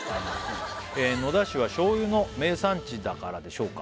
「野田市は醤油の名産地だからでしょうか」